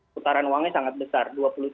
putaran uangnya sangat besar